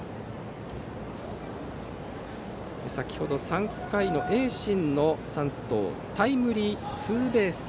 先ほど、３回の盈進の山藤タイムリーツーベース。